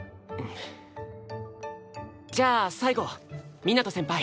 じゃあ最後みなと先輩。